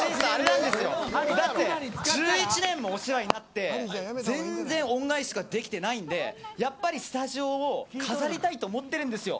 でも、１１年もお世話になって全然恩返しができてないのでやっぱりスタジオを飾りたいと思ってるんですよ。